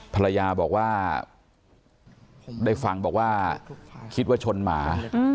ภรรยาบอกว่าได้ฟังบอกว่าคิดว่าชนหมา